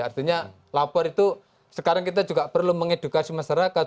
artinya lapor itu sekarang kita juga perlu mengedukasi masyarakat